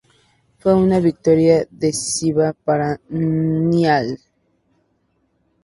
Fue una victoria decisiva para Niall.